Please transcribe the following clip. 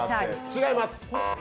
違います。